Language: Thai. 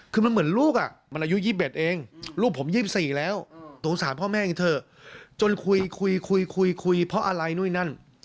คือมันเหมือนลูกอ่ะมันอายุ๒๑เองลูกผม๒๔แล้วสงสารพ่อแม่เองเถอะจนคุยคุยคุยคุยเพราะอะไรนู่นนั่น